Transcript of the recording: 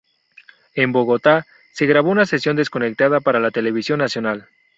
En Bogotá se grabó una sesión desconectada para la televisión nacional.